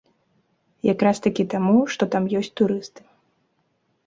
Як раз такі таму, што там ёсць турысты.